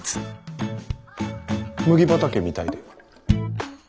麦畑みたいで。